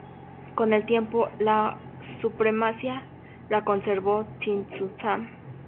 Con el tiempo, la supremacía la conservó Tzintzuntzan.